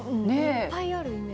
いっぱいあるイメージ。